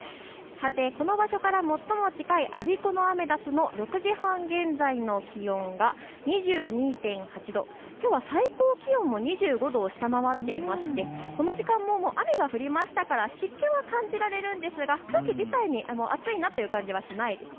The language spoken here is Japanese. この場所から最も近い我孫子のアメダスの６時半現在の気温が２２．８度、きょうは最高気温も２５度を下回っていてこの時間も雨が降ったので湿気は感じられますが空気自体に暑いなという感じはしないです。